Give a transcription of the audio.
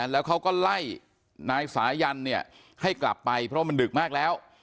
แล้วเขาก็ไล่นายสายันเนี่ยให้กลับไปเพราะว่ามันดึกมากแล้ว